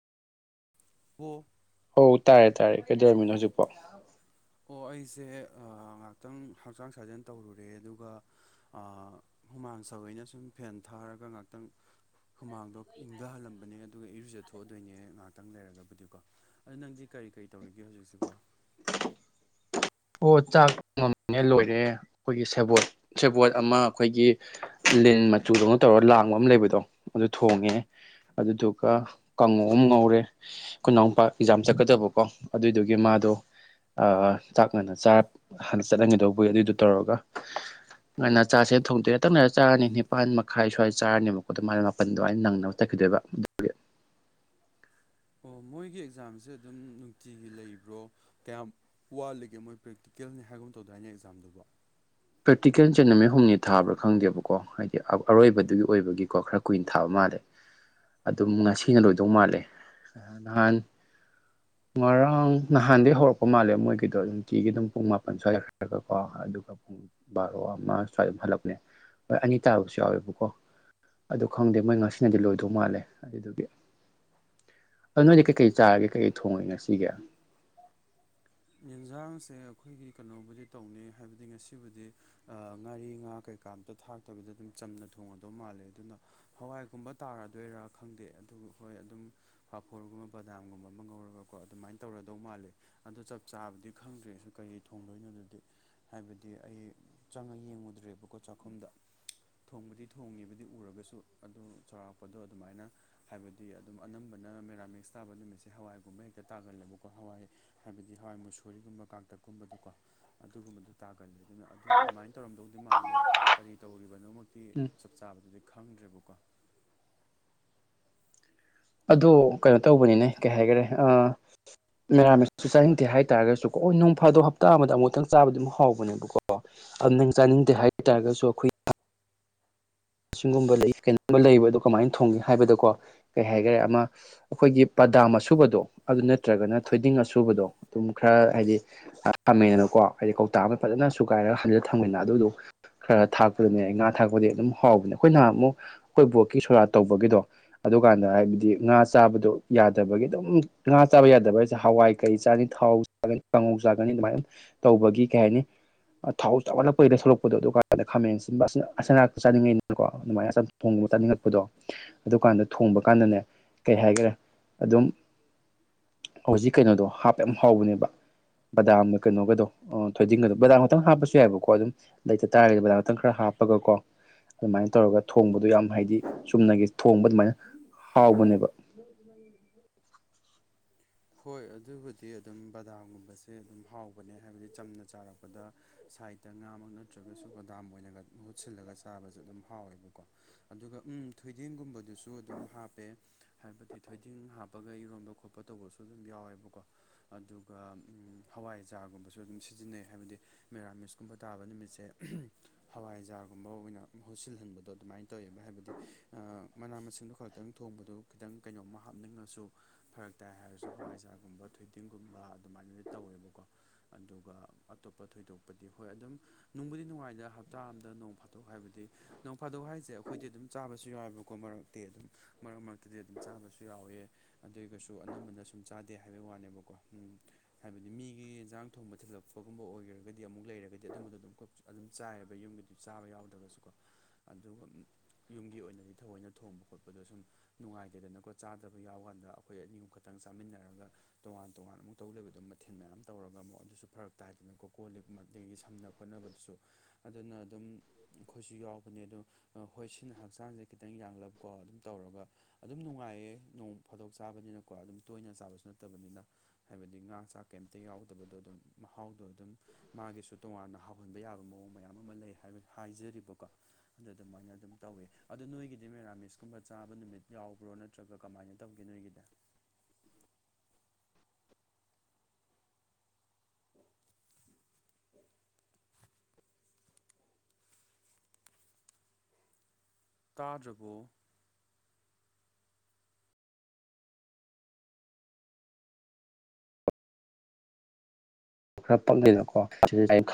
ꯍ ꯍ ꯇꯥꯔꯦ ꯇꯥꯔꯦ ꯀꯩꯗꯧꯔꯝꯃꯤꯅꯣ ꯍꯧꯖꯤꯛꯐꯥꯎ ꯑꯣ ꯑꯩꯁꯦ ꯉꯥꯏꯍꯥꯛꯇꯪ ꯍꯛꯆꯥꯡ ꯁꯥꯖꯦꯟ ꯇꯧꯔꯨꯔꯦ ꯑꯗꯨꯒ ꯍꯨꯃꯥꯡ ꯁꯕꯩꯅ ꯁꯨꯝ ꯐꯦꯟ ꯊꯥꯔꯒ ꯉꯥꯛꯇꯪ ꯍꯨꯃꯥꯡꯗꯣ ꯏꯪꯊꯍꯜꯂꯝꯕꯅꯦ ꯑꯗꯨꯒ ꯏꯔꯨꯖ ꯊꯣꯛꯑꯗꯣꯏꯅꯦ ꯉꯥꯏꯍꯥꯛꯇꯪ ꯂꯩꯔꯒꯕꯨꯗꯤꯀꯣ ꯑꯗꯨꯗ ꯅꯪꯗꯤ ꯀꯔꯤ ꯀꯔꯤ ꯇꯧꯔꯤꯒꯦ ꯍꯧꯖꯤꯛꯁꯤꯕꯣ ꯑꯣ ꯆꯥꯛ ꯉꯃꯤꯅꯦ ꯂꯣꯏꯔꯦ ꯑꯩꯈꯣꯏꯒꯤ ꯁꯦꯕꯣꯠ ꯁꯦꯕꯣꯠ ꯑꯃ ꯑꯩꯈꯣꯏꯒꯤ ꯂꯤꯟ ꯃꯆꯨꯗꯧꯅ ꯇꯧꯔ ꯂꯥꯡꯕ ꯑꯃ ꯂꯩꯕꯗꯣ ꯑꯗꯨ ꯊꯣꯡꯉꯦ ꯑꯗꯨꯗꯨꯒ ꯀꯥꯡꯉ ꯑꯃ ꯉꯧꯔꯦ ꯀꯟꯅꯥ ꯃꯄꯥ ꯑꯦꯛꯖꯥꯝ ꯆꯠꯀꯗꯕꯀꯣ ꯑꯗꯨꯏꯗꯨꯒꯤ ꯃꯥꯗꯣ ꯑ ꯆꯥꯛ ꯅꯥꯅ ꯆꯥꯔ ꯍꯥꯟꯅ ꯆꯠꯍꯟꯒꯗꯧꯕꯒꯤ ꯑꯗꯨꯏꯗꯨ ꯇꯧꯔꯒ ꯉꯅ ꯆꯥꯁꯦ ꯊꯣꯡꯗꯣꯏꯦ ꯇꯪꯅꯔ ꯆꯥꯔꯅꯤ ꯅꯤꯄꯥꯟ ꯃꯈꯥꯏ ꯁ꯭ꯋꯥꯏꯗ ꯆꯥꯔꯅꯦꯕꯀꯣ ꯑꯗꯨꯃ ꯃꯥꯅ ꯃꯥꯄꯜ ꯑꯗꯨꯃꯥꯏꯅ ꯅꯪꯅꯕ ꯆꯠꯈꯤꯗꯣꯏꯕ ꯦ ꯑꯣ ꯃꯣꯏꯒꯤ ꯑꯦꯛꯖꯥꯝꯁꯦ ꯑꯗꯨꯝ ꯅꯨꯡꯇꯤꯒꯤ ꯂꯩꯕ꯭ꯔꯣ ꯀꯌꯥꯝ ꯋꯥꯠꯂꯤꯒꯦ ꯃꯣꯏ ꯄ꯭ꯔꯦꯛꯇꯤꯀꯦꯜꯅꯤ ꯍꯥꯏꯕꯒꯨꯝ ꯇꯧꯗꯥꯏꯅꯦ ꯑꯦꯛꯖꯥꯝꯗꯨꯕꯨ ꯄ꯭ꯔꯦꯛꯇꯤꯀꯦꯜ ꯆꯠ ꯅꯨꯃꯤꯠ ꯍꯨꯝꯅꯤ ꯊꯥꯕ꯭ꯔꯥ ꯈꯪꯗꯦꯕꯀꯣ ꯍꯥꯏꯗꯤ ꯑꯔꯣꯏꯕꯗꯨꯒꯤ ꯑꯣꯏꯕꯒꯤꯀꯣ ꯈꯔ ꯀꯨꯏꯅ ꯊꯥꯕ ꯃꯥꯜꯂꯦ ꯑꯗꯨꯝ ꯉꯁꯤꯅ ꯂꯣꯏꯗꯧ ꯃꯥꯜꯂꯦ ꯅꯍꯥꯟ ꯉꯔꯥꯡ ꯅꯍꯥꯟꯗꯒꯤꯩ ꯍꯧꯔꯛꯄ ꯃꯥꯜꯂꯦ ꯃꯣꯏꯒꯤꯗꯣ ꯅꯨꯡꯇꯤꯒꯤ ꯑꯗꯨꯝ ꯄꯨꯡ ꯃꯥꯄꯟ ꯁꯣꯏꯈ꯭ꯔꯒ ꯀꯣ ꯑꯗꯨꯒ ꯄꯨꯡ ꯕꯥꯔꯣ ꯑꯃ ꯁ꯭ꯋꯥꯏꯗ ꯑꯗꯨꯝ ꯍꯜꯂꯛꯄꯅꯦ ꯍꯣꯏ ꯑꯅꯤ ꯇꯥꯕꯁꯨ ꯌꯥꯎꯋꯦꯕꯀꯣ ꯑꯗꯨ ꯈꯪꯗꯦ ꯃꯣꯏ ꯉꯁꯤꯅꯗꯤ ꯂꯣꯏꯗꯧ ꯃꯥꯜꯂꯦ ꯑꯗꯨꯗꯨꯒꯤ ꯑ ꯅꯣꯏꯗꯤ ꯀꯩꯀꯩ ꯆꯥꯒꯦ ꯀꯩꯀꯩ ꯊꯣꯡꯉꯒꯦ ꯉꯁꯤꯒꯦ ꯌꯦꯟꯁꯥꯡꯁꯦ ꯑꯩꯈꯣꯏꯒꯤ ꯀꯩꯅꯣꯕꯨꯗꯤ ꯇꯧꯅꯩ ꯍꯥꯏꯕꯗꯤ ꯉꯁꯤꯕꯨꯗꯤ ꯉꯥꯔꯤ ꯉꯥ ꯀꯩꯀꯥ ꯑꯃꯝꯇ ꯊꯥꯛꯇꯕꯤꯗ ꯑꯗꯨꯝ ꯆꯝꯅ ꯊꯣꯡꯉꯗꯧ ꯃꯥꯜꯂꯦ ꯑꯗꯨꯅ ꯍꯋꯥꯏꯒꯨꯝꯕ ꯇꯥꯔꯗꯣꯏꯔꯥ ꯈꯪꯗꯦ ꯑꯗꯨ ꯍꯣꯏ ꯑꯗꯨꯝ ꯐꯥꯐꯣꯔꯒꯨꯝꯕ ꯕꯗꯥꯝꯒꯨꯝꯕ ꯑꯃ ꯉꯧꯔꯒꯀꯣ ꯑꯗꯨꯃꯥꯏꯅ ꯇꯧꯔꯗꯧ ꯃꯥꯜꯜꯂꯤ ꯑꯗꯣꯞ ꯆꯥꯕꯗꯤ ꯈꯪꯗ꯭ꯔꯦꯁꯨ ꯀꯔꯤ ꯊꯣꯡꯗꯣꯏꯅꯣꯗꯗꯤ ꯍꯥꯏꯕꯗꯤ ꯑꯩ ꯆꯪꯉ ꯌꯦꯡꯉꯨꯗ꯭ꯔꯦꯕꯀꯣ ꯆꯥꯛꯈꯨꯝꯗ ꯊꯣꯡꯕꯗꯤ ꯊꯣꯡꯉꯤꯕꯗꯤ ꯎꯔꯒꯁꯨ ꯑꯗꯨ ꯆꯥꯎꯔꯥꯛꯄꯗꯣ ꯑꯗꯨꯃꯥꯏꯅ ꯍꯥꯏꯕꯗꯤ ꯑꯗꯨꯝ ꯑꯅꯝꯕꯅ ꯃꯦꯔꯥꯃꯤꯛꯁ ꯇꯥꯕ ꯅꯨꯃꯤꯠꯁꯦ ꯍꯋꯥꯏꯒꯨꯝꯕ ꯍꯦꯛꯇ ꯇꯥꯒꯜꯂꯦꯕꯀꯣ ꯍꯋꯥꯏ ꯍꯥꯏꯕꯗꯤ ꯍꯋꯥꯏ ꯃꯨꯁꯨꯨꯔꯤꯒꯨꯝꯕ ꯀꯥꯡꯇꯛꯀꯨꯝꯕꯗꯨꯀꯣ ꯑꯗꯨꯒꯨꯝꯕꯗꯨ ꯇꯥꯀꯅꯤ ꯑꯗꯨꯅ ꯑꯗꯨ ꯑꯗꯨꯃꯥꯏꯅ ꯇꯧꯔꯝꯗꯧꯗꯤ ꯃꯥꯜꯂꯦ ꯀꯔꯤ ꯇꯧꯔꯤꯕꯅꯣꯃꯛꯇꯤ ꯎꯝ ꯆꯞ ꯆꯥꯕꯗꯨꯗꯤ ꯈꯪꯗ꯭ꯔꯦꯕꯀꯣ ꯑꯗꯨꯣ ꯀꯩꯅꯣ ꯇꯧꯕꯅꯤꯅꯦ ꯀꯩ ꯍꯥꯏꯈꯔꯦ ꯑ ꯃꯦꯥ ꯃꯁꯨ ꯆꯥꯅꯤꯡꯗꯦ ꯍꯥꯏꯇꯥꯔꯒꯁꯨ ꯀꯣ ꯅꯣꯡ ꯐꯥꯗꯣꯛ ꯍꯞꯇꯥ ꯑꯃꯗ ꯑꯃꯨꯛꯇꯪ ꯆꯥꯕꯗꯨ ꯑꯗꯨꯝ ꯍꯧꯕꯅꯦꯕꯀꯣ ꯑꯗꯨ ꯆꯥꯅꯤꯡꯗꯦ ꯍꯥꯏ ꯇꯥꯔꯒꯁꯨ ꯑꯩꯈꯣꯏ ꯑꯁꯤꯒꯨꯝꯕ ꯂꯩ ꯀꯩꯅꯣꯒꯨꯝꯕ ꯂꯩꯕ ꯑꯗꯨꯗꯣ ꯀꯃꯥꯏꯅ ꯊꯣꯡꯒꯦ ꯍꯥꯏꯕꯗꯀꯣ ꯀꯩ ꯍꯥꯏꯈꯔꯦ ꯑꯃ ꯑꯩꯈꯣꯏꯒꯤ ꯄꯗꯥꯝ ꯑꯁꯨꯕꯗꯣ ꯑꯗꯨ ꯅꯠꯇ꯭ꯔꯒꯅ ꯊꯣꯏꯗꯤꯡ ꯑꯁꯨꯕꯗꯣ ꯑꯗꯨꯝ ꯈꯔ ꯍꯥꯏꯗꯤ ꯊꯝꯃꯦꯗꯅꯀꯣ ꯍꯥꯏꯗꯤ ꯀꯧꯇꯥ ꯑꯃ ꯐꯖꯅ ꯁꯨꯒꯥꯏꯔꯒ ꯍꯝꯖꯤꯂ ꯊꯝꯃꯦꯅ ꯑꯗꯨꯗꯨ ꯈꯔ ꯊꯥꯛꯄꯗꯨꯅꯦ ꯑꯩ ꯉꯥ ꯊꯥꯛꯄꯗꯤ ꯑꯗꯨꯝ ꯍꯥꯎꯕꯅꯦ ꯑꯩꯈꯣꯏ ꯅꯍꯥꯟ ꯑꯃꯨꯛ ꯑꯩꯈꯣꯏ ꯕꯣꯠꯀꯤ ꯁꯣꯔꯥ ꯇꯧꯕꯒꯤꯗꯣ ꯑꯗꯨꯀꯥꯟꯗ ꯍꯥꯏꯕꯗꯤ ꯉꯥ ꯆꯥꯕꯗꯣ ꯌꯥꯗꯕꯒꯤ ꯑꯗꯨꯝ ꯉꯥ ꯆꯥꯕ ꯌꯥꯗꯕ ꯍꯥꯏꯁꯦ ꯍꯋꯥꯏ ꯀꯩ ꯆꯥꯅꯤ ꯊꯥꯎ ꯀꯥꯡꯉꯧ ꯆꯥꯒꯅꯤ ꯑꯗꯨꯃꯥꯏꯅ ꯇꯧꯕꯒꯤ ꯀꯩ ꯍꯥꯏꯅꯤ ꯊꯥꯎ ꯆꯥꯎꯈꯠꯂꯛꯄꯩꯗ ꯁꯣꯛꯂꯛꯄꯗꯣ ꯑꯗꯨꯀꯥꯟꯗ ꯈꯥꯃꯦꯟꯟꯕ ꯆꯥꯅꯤꯡꯉꯛꯏꯗꯅꯀꯣ ꯑꯗꯨꯃꯥꯏꯅꯝ ꯊꯣꯡꯒꯨꯝꯕ ꯆꯥꯅꯤꯡꯉꯛꯄꯗꯣ ꯑꯗꯨꯀꯥꯟꯗ ꯊꯣꯡꯕ ꯀꯥꯟꯗꯅꯦ ꯀꯩ ꯍꯥꯏꯈꯔꯦ ꯑꯗꯨꯝ ꯍꯧꯖꯤꯛ ꯀꯩꯅꯣꯗꯣ ꯍꯥꯞꯄꯦ ꯌꯥꯝ ꯍꯥꯎꯧꯕꯅꯦꯕ ꯕꯗꯥꯝꯒ ꯀꯩꯅꯣꯒꯗꯣ ꯊꯣꯏꯗꯤꯟꯒꯗꯣ ꯕꯗꯥꯝ ꯈꯛꯇꯪ ꯍꯥꯞꯄꯁꯨ ꯌꯥꯏꯕꯀꯣ ꯑꯗꯨꯝ ꯂꯩꯇ ꯇꯥꯔꯒꯗꯤ ꯕꯥ ꯑꯃꯛꯇꯪ ꯈꯔ ꯍꯥꯞꯄꯒꯀꯣ ꯑꯗꯨꯃꯥꯏꯅ ꯇꯧꯔꯒ ꯊꯣꯡꯕꯗꯣ ꯌꯥꯝ ꯍꯥꯏꯗꯤ ꯆꯨꯝꯅꯒꯤ ꯊꯣꯡꯕ ꯑꯗꯨꯃꯥꯏꯅ ꯍꯥꯎꯕꯅꯦꯕ ꯎꯝ ꯍꯣꯏ ꯑꯗꯨꯕꯨꯗꯤ ꯑꯗꯨꯝ ꯕꯗꯥꯝꯒꯨꯝꯕꯁꯦ ꯑꯗꯨꯝ ꯍꯥꯎꯕꯅꯦ ꯍꯥꯏꯕꯗꯤ ꯆꯝꯅ ꯆꯥꯔꯛꯄꯗ ꯁꯥꯏꯗꯠꯇ ꯉꯥꯃꯛ ꯅꯠꯇ꯭ꯔꯒꯁꯨ ꯕꯗꯥꯝ ꯑꯣꯏꯅꯒ ꯃꯍꯨꯠꯁꯤꯜꯂꯒ ꯆꯥꯕꯁꯨꯦ ꯑꯗꯨꯝ ꯍꯥꯎꯋꯦꯕꯀꯣ ꯑꯗꯨꯒ ꯎꯝ ꯊꯣꯏꯗꯤꯦꯟꯒꯨꯝꯕꯗꯨꯁꯨ ꯑꯗꯨꯝ ꯍꯥꯞꯄꯦ ꯍꯥꯏꯕꯗꯤ ꯊꯣꯏꯗꯤꯡ ꯍꯥꯞꯄꯒ ꯏꯔꯣꯟꯝꯕ ꯈꯣꯠꯄ ꯇꯧꯕꯁꯨ ꯑꯗꯨꯝ ꯌꯥꯎꯋꯦꯕꯀꯣ ꯑꯗꯨꯒ ꯍꯋꯥꯏꯖꯥꯒꯨꯝꯕꯁꯨ ꯑꯗꯨꯝ ꯁꯤꯖꯤꯟꯅꯩ ꯍꯥꯏꯕꯗꯤ ꯃꯦꯔꯥꯃꯤꯁꯀꯨꯝꯕ ꯇꯥꯕ ꯅꯨꯃꯤꯠꯁꯦ ꯍꯋꯥꯏꯖꯥꯔꯒꯨꯝꯕ ꯑꯣꯏꯅ ꯃꯍꯨꯠ ꯁꯤꯜꯍꯟꯕꯗꯣ ꯑꯗꯨꯃꯥꯏꯅ ꯇꯧꯋꯦꯕ ꯍꯥꯏꯕꯗꯤ ꯃꯅꯥ ꯃꯁꯤꯡꯗꯣ ꯈꯛꯇꯪ ꯊꯣꯡꯕꯗꯨ ꯈꯤꯇꯪ ꯀꯩꯅꯣꯝꯃ ꯍꯥꯞꯅꯤꯡꯉꯁꯨ ꯐꯔꯛ ꯇꯥꯏ ꯍꯥꯏꯔꯁꯨ ꯍꯋꯥꯏꯖꯥꯔꯒꯨꯝꯕ ꯊꯨꯤꯗꯤꯡꯒꯨꯝꯕ ꯑꯗꯨꯃꯥꯏꯅꯗꯤ ꯇꯧꯋꯦꯕꯀꯣ ꯑꯗꯨꯒ ꯑꯇꯣꯞꯄ ꯊꯣꯏꯗꯣꯛꯄꯗꯤ ꯍꯣꯏ ꯑꯗꯨꯝ ꯅꯨꯡꯕꯨꯗꯤ ꯅꯨꯡꯉꯥꯏꯗ ꯍꯞꯇꯥ ꯑꯝꯗ ꯅꯣꯡ ꯐꯥꯠꯇꯣꯛ ꯍꯥꯏꯕꯗꯤ ꯅꯣꯡ ꯐꯥꯗꯣꯛ ꯍꯥꯏꯁꯦ ꯑꯩꯈꯣꯏꯗꯤ ꯑꯗꯨꯝ ꯆꯥꯕꯁꯨ ꯌꯥꯏꯑꯕꯀꯣ ꯃꯔꯛꯇꯤ ꯑꯗꯨꯝ ꯃꯔꯛ ꯃꯔꯛꯇꯗꯤ ꯑꯗꯨꯝ ꯆꯥꯕꯁꯨ ꯌꯥꯎꯋꯦ ꯑꯗꯨꯒꯁꯨ ꯑꯅꯝꯕꯅ ꯁꯨꯝ ꯆꯥꯗꯦ ꯍꯥꯏꯕꯩ ꯋꯥꯅꯦꯕꯀꯣ ꯎꯝ ꯍꯥꯏꯕꯗꯤ ꯃꯤꯒꯤ ꯌꯦꯟꯖꯥꯡ ꯊꯣꯡꯕ ꯊꯤꯜꯂꯛꯄꯒꯨꯝꯕ ꯑꯣꯏꯈ꯭ꯔꯒꯗꯤ ꯑꯃꯨꯛ ꯂꯩꯔꯒꯗꯤ ꯑꯗꯨꯝꯕꯗꯣ ꯑꯗꯨꯝ ꯑꯗꯨꯝ ꯆꯥꯏꯑꯕ ꯌꯨꯝꯒꯤꯗꯤ ꯆꯥꯕ ꯌꯥꯎꯗ꯭ꯔꯒꯁꯨꯀꯣ ꯑꯗꯨꯒ ꯌꯨꯝꯒꯤ ꯑꯣꯏꯅꯗꯤ ꯊꯑꯣꯏꯅ ꯊꯣꯡꯕ ꯈꯣꯠꯄꯗ ꯁꯨꯝ ꯅꯨꯡꯉꯥꯏꯇꯦꯗꯅꯀꯣ ꯆꯥꯗꯕ ꯌꯥꯎ ꯀꯥꯟꯗ ꯑꯩꯈꯣꯏ ꯑꯅꯤ ꯑꯣꯝ ꯈꯛꯇꯪ ꯆꯥꯃꯤꯟꯅꯔꯒ ꯇꯣꯉꯥꯟ ꯇꯣꯉꯥꯟ ꯑꯃꯨꯛ ꯇꯧ ꯂꯩꯕꯗꯝ ꯃꯊꯦꯜ ꯃꯌꯥꯝ ꯇꯧꯔꯒ ꯑꯃꯨꯛ ꯑꯗꯨꯁꯨ ꯐꯔꯛ ꯇꯥꯏꯗꯅꯀꯣ ꯀꯣꯜ ꯂꯤ ꯑꯗꯒꯤ ꯁꯝꯅ ꯍꯣꯠꯅꯕꯗꯨꯁꯨ ꯑꯗꯨꯅ ꯑꯗꯨꯝ ꯑꯩꯈꯣꯏꯁꯨ ꯌꯥꯎꯕꯅꯦ ꯑꯗꯣ ꯍꯣꯏ ꯁꯤꯅ ꯍꯛꯆꯥꯡꯁꯦ ꯈꯤꯇꯪ ꯌꯥꯂꯕꯀꯣ ꯑꯗꯨꯝ ꯇꯧꯔꯒ ꯑꯗꯨꯝ ꯅꯨꯡꯉꯥꯏꯌꯦ ꯅꯣꯡ ꯐꯥꯗꯣꯛ ꯆꯥꯕꯅꯤꯅꯀꯣ ꯑꯗꯨꯝ ꯇꯣꯏꯅ ꯆꯥꯕꯁꯨ ꯅꯠꯇꯕꯅꯤꯅ ꯍꯥꯏꯕꯗꯤ ꯉꯥ ꯆꯥꯛ ꯀꯩꯝꯇ ꯌꯥꯎꯗꯕꯗꯣ ꯑꯗꯨꯝ ꯃꯍꯥꯎꯗꯣ ꯑꯗꯨꯝ ꯃꯥꯒꯤꯁꯨ ꯇꯣꯉꯥꯟꯅ ꯍꯥꯎꯍꯟꯕ ꯌꯥꯕ ꯃꯑꯣꯡ ꯃꯌꯥꯝ ꯑꯃ ꯂꯩ ꯍꯥꯏꯕ ꯍꯥꯏꯖꯔꯤꯕꯀꯣ ꯑꯗꯨ ꯑꯗꯨꯃꯥꯏꯅ ꯑꯗꯨꯝ ꯇꯧꯋꯤ ꯑꯗꯣ ꯅꯣꯏꯒꯤꯗꯤ ꯃꯦꯔꯥꯃꯤꯁꯀꯨꯝꯕ ꯆꯥꯕ ꯅꯨꯃꯤꯠ ꯌꯥꯎꯕ꯭ꯔꯣꯅ ꯅꯠꯇ꯭ꯔꯒ ꯀꯃꯥꯏꯅ ꯇꯧꯒꯦꯗꯣꯒꯤꯗ [unintelligible] ꯇꯥꯖꯒꯣ ꯈꯔꯅꯣ